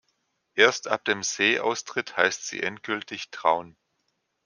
Erst ab dem See-Austritt heißt sie endgültig "Traun".